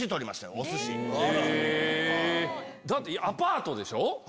アパートでしょ？